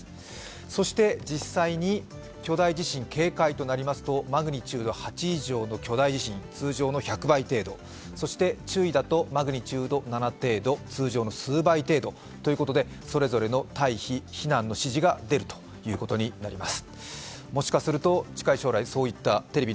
そして実際に巨大地震警戒となりますと、マグニチュード８以上の巨大地震、通常の１００倍程度、通常の注意だとマグニチュード７程度、通常の数倍程度ということでそれぞれの退避、避難の指示が出ることになります。